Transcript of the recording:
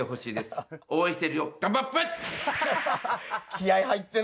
気合い入ってんな。